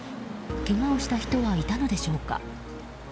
けがをした人はいたのでしょうか。